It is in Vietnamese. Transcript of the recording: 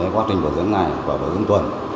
quá trình bảo dưỡng ngày và bảo dưỡng tuần